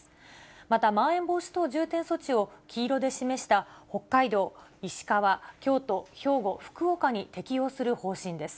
また、まん延防止等重点措置を、黄色で示した北海道、石川、京都、兵庫、福岡に適用する方針です。